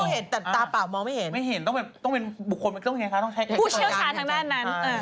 คนตัวเป็นโดนปอบสิงค์